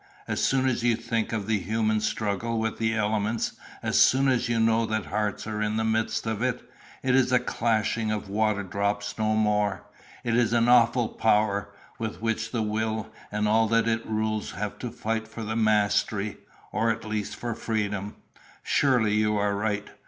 As soon as you think of the human struggle with the elements, as soon as you know that hearts are in the midst of it, it is a clashing of water drops no more. It is an awful power, with which the will and all that it rules have to fight for the mastery, or at least for freedom." "Surely you are right.